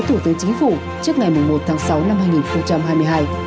thủ tướng chính phủ trước ngày một tháng sáu năm hai nghìn hai mươi hai